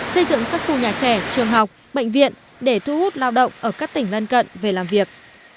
xây dựng các khu nhà trẻ trường học bệnh viện để thu hút lao động ở các tỉnh lân cận về làm việc